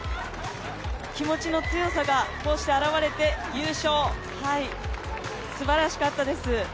気持ちの強さがこうしてあらわれて優勝、すばらしかったです。